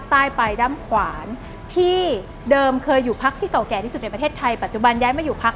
สามารถโดนลำแต่อังส